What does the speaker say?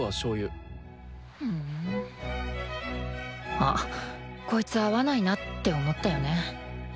「あこいつ合わないな」って思ったよね